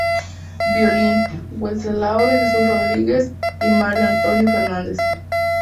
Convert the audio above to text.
Violín: Wenceslao de Jesús Rodríguez y Mario Antonio Fernández.